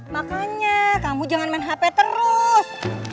makanya kamu jangan main hp terus